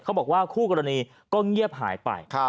บอกว่าคู่กรณีก็เงียบหายไป